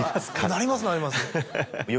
なりますなります。